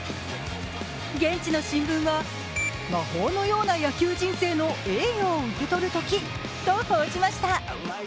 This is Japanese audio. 現地の新聞は、魔法のような野球人生の栄誉を受け取る時と報じました。